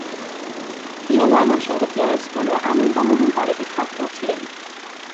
তিনি ময়মনসিংহের জেলা স্কুল ও আনন্দমোহন কলেজের ছাত্র ছিলেন।